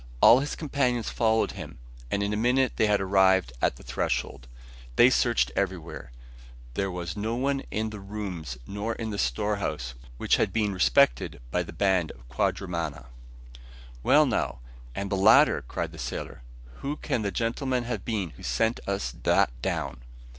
All his companions followed him, and in a minute they had arrived at the threshold. They searched everywhere. There was no one in the rooms nor in the storehouse, which had been respected by the band of quadrumana. "Well now, and the ladder," cried the sailor; "who can the gentleman have been who sent us that down?"